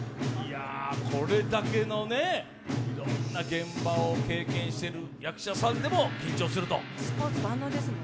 これだけのね、いろんな現場を経験している役者さんでも緊張すると。